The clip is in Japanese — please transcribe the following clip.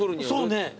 そうね。